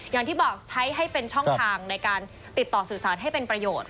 อย่างที่บอกใช้ให้เป็นช่องทางในการติดต่อสื่อสารให้เป็นประโยชน์